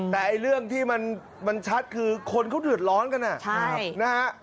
แต่เรื่องที่มันชัดคือคนเขาเดือดร้อนกันนะฮะ